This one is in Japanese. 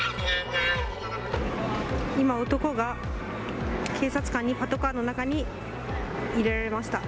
今、男が警察官にパトカーの中に入れられました。